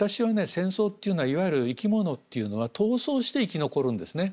戦争っていうのはいわゆる生き物っていうのは闘争して生き残るんですね。